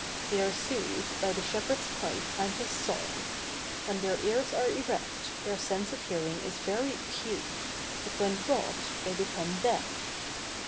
They are soothed by the shepherd's pipe and his song; when their ears are erect, their sense of hearing is very acute, but when dropped, they become deaf.